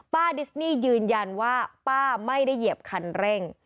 ดิสนี่ยืนยันว่าป้าไม่ได้เหยียบคันเร่ง